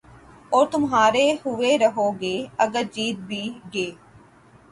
اور تُمہارے ہوئے رہو گے اگر جیت بھی گئے